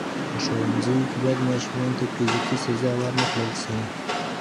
په ښوونځیو کي باید ماشومانو ته فزیکي سزا ورنه کړل سي.